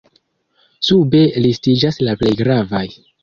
Sube listiĝas la plej gravaj.